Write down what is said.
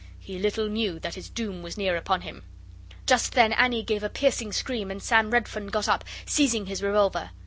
He little knew that his doom was near upon him. Just then Annie gave a piercing scream, and Sam Redfern got up, seizing his revolver.